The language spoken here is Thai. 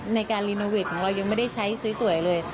ในการรีโนเวทของเรายังไม่ได้ใช้สวยเลย